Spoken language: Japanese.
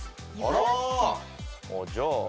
あっじゃあ。